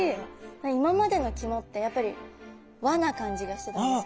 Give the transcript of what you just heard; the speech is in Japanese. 今までの肝ってやっぱり和な感じがしてたんですけど。